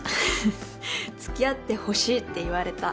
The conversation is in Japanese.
付き合ってほしいって言われた